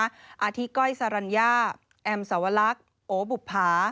อาทิตก้อยสรรญาแอมสวรรคโอบุภา